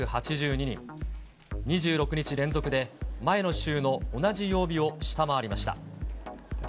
２６日連続で前の週の同じ曜日を下回りました。